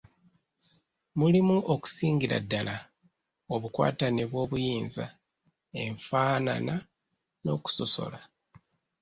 Mulimu okusingira ddala obukwatane bw’obuyinza, enfaanana, n’okusosola.